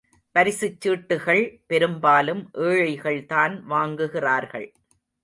பரிசுச் சீட்டுகள் பெரும்பாலும் ஏழைகள் தான் வாங்குகிறார்கள்.